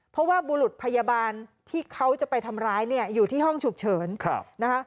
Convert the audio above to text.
เพราะว่าบุรุษพยาบาลที่เขาจะไปทำร้ายเนี่ยอยู่ที่ห้องฉุกเฉินนะคะ